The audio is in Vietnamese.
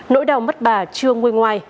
nỗi đau mất bà chưa nguy ngoai